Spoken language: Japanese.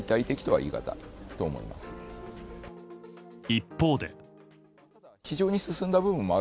一方で。